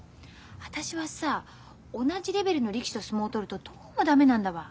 私はさ同じレベルの力士と相撲取るとどうも駄目なんだわ。